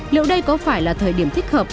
liệu đây có phải là thời điểm thích hợp